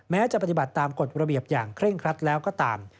จะปฏิบัติตามกฎระเบียบอย่างเคร่งครัดแล้วก็ตาม